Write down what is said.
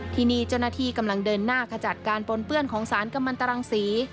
ที่นี่เจ้าหน้าที่กำลังเดินหน้าขจัดการปนเปื้อนของสารกำลังตรังศรี